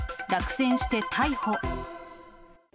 落選して逮捕。